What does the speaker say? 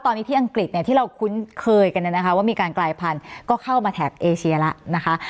ตอนนี้ที่อังกฤษเนี่ยที่เราคุ้นเคยกันนะคะว่ามีการกลายพันธุ์ก็เข้ามาแถบเอเชียแล้วนะคะ